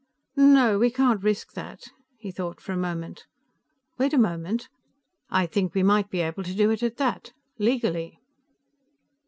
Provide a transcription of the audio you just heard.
"No. We can't risk that." He thought for a moment. "Wait a moment. I think we might be able to do it at that. Legally."